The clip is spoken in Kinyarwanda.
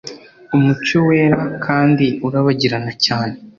Umucyo wera kandi urabagirana cyane